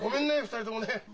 ２人ともね。